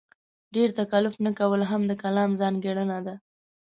ډېر تکلف نه کول هم د کالم ځانګړنه ده.